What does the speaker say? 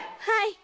はい。